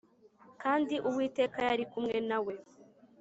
kandi Uwiteka yari kumwe na we.